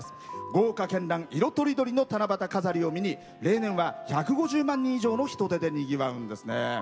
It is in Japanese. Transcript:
豪華けんらん、色とりどりの七夕飾りを見に例年は１５０万人ほどの人出でにぎわうんですね。